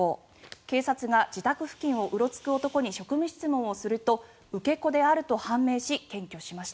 警察が自宅付近をうろつく男に職務質問をすると受け子であると判明し検挙しました。